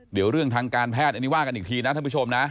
เดี๋ยวเรื่องทางการแพทย์อันนี้ว่ากันอีกทีนะท่านผู้ชมนะ